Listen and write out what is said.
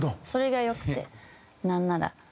それが良くてなんなら。